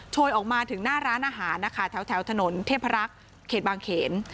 ออกมาถึงหน้าร้านอาหารนะคะแถวถนนเทพรักษ์เขตบางเขน